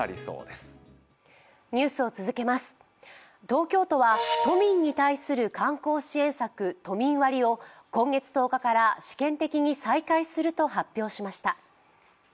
東京都は都民に対する観光支援策・都民割を今月１０日から試験的に再開すると発表しました。